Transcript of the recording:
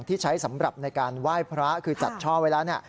ที่ใช้สำหรับในการไหว้พระคือจัดช่อไว้แล้วเนี่ย